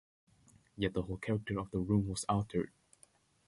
Yet the whole character of the room was altered.